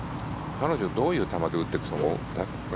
彼女、どういう球で打っていくと思う？